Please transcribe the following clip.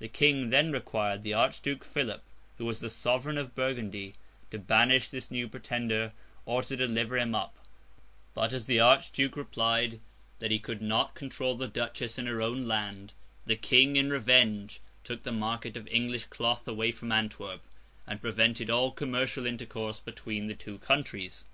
The King then required the Archduke Philip—who was the sovereign of Burgundy—to banish this new Pretender, or to deliver him up; but, as the Archduke replied that he could not control the Duchess in her own land, the King, in revenge, took the market of English cloth away from Antwerp, and prevented all commercial intercourse between the two countries.